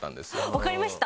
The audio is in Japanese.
わかりました。